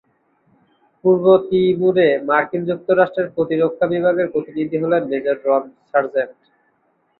পূর্ব তিমুরে, মার্কিন যুক্তরাষ্ট্রের প্রতিরক্ষা বিভাগের প্রতিনিধি হলেন মেজর রন সার্জেন্ট।